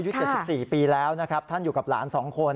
๗๔ปีแล้วนะครับท่านอยู่กับหลาน๒คน